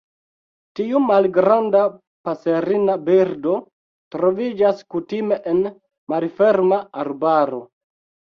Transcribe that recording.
Tiu malgranda paserina birdo troviĝas kutime en malferma arbaro.